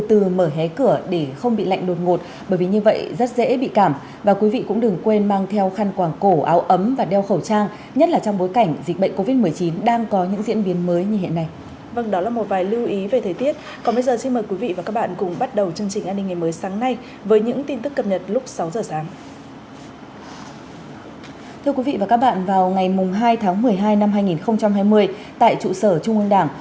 thưa quý vị và các bạn vào ngày hai tháng một mươi hai năm hai nghìn hai mươi tại trụ sở trung ương đảng